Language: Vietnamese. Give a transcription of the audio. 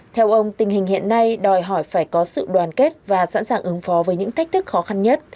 theo ông tình hình hiện nay đòi hỏi phải có sự đoàn kết và sẵn sàng ứng phó với những thách thức khó khăn nhất